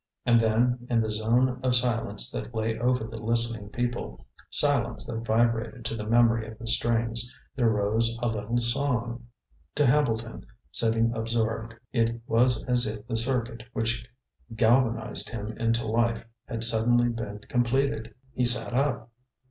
And then, in the zone of silence that lay over the listening people silence that vibrated to the memory of the strings there rose a little song. To Hambleton, sitting absorbed, it was as if the circuit which galvanized him into life had suddenly been completed. He sat up.